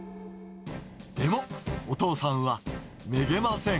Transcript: でも、お父さんはめげません。